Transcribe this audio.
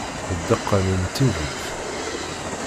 D ddeqqa-nni n tidet.